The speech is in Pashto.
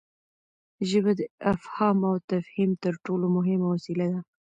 ژبه د افهام او تفهیم تر ټولو مهمه وسیله ده.